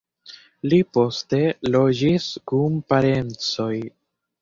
Li poste loĝis kun parencoj.